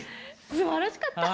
すばらしかった。